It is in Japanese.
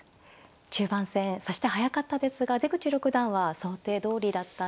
中盤戦指し手速かったですが出口六段は想定どおりだったんでしょうか。